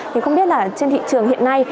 thì không biết là trên thị trường hiện nay